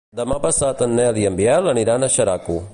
Demà passat en Nel i en Biel aniran a Xeraco.